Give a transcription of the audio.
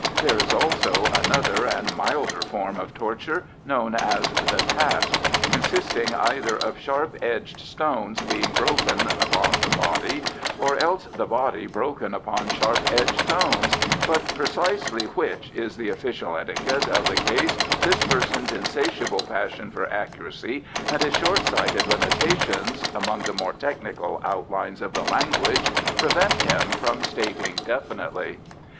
There is also another and milder form of torture, known as the "task", consisting either of sharp edged stones being broken upon the body, or else the body broken upon sharp edged stones, but precisely which is the official etiquette of the case this person's insatiable passion for accuracy and his short sighted limitations among the more technical outlines of the language, prevent him from stating definitely.